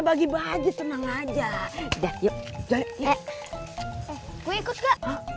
bagi baju senang aja yuk jalan ke kue ikut ke